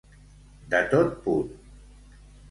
De tot punt.